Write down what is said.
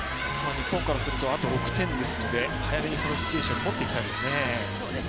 日本からするとあと６点ですので早めにそのシチュエーションに持っていきたいですね。